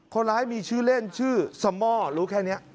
คนร้ายมีชื่อเล่นชื่อสม่อรู้แค่นี้